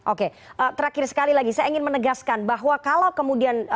oke terakhir sekali lagi saya ingin menegaskan bahwa kalau kemudian